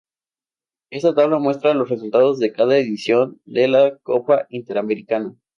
Esta tabla muestra los resultados de cada edición de la Copa Interamericana.